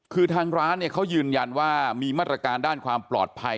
คือทางร้านเนี่ยเขายืนยันว่ามีมาตรการด้านความปลอดภัย